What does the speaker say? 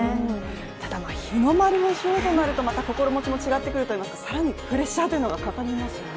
ただ日の丸を背負うとなるとまた心持ちも違ってくるというか更にプレッシャーがかかりますよね。